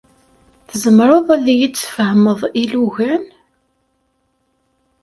Tzemreḍ ad iyi-d-tesfehmeḍ ilugan?